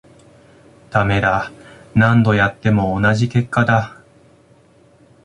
ダメだ、何度やっても同じ結果だ